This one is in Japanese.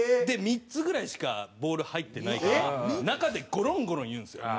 ３つぐらいしかボール入ってないから中でゴロンゴロンいうんですよ。